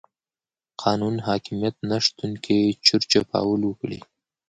قانون حاکميت نشتون کې چور چپاول وکړي.